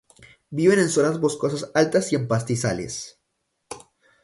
Viven en zonas boscosas altas y en pastizales.